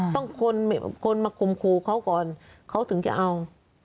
คนมาคมครูเขาก่อนเขาถึงจะเอา